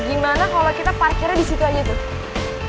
gimana kalau kita parkirnya disitu aja tuh